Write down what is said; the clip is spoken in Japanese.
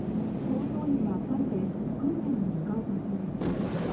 搭乗員は２人で訓練に向かう途中でした。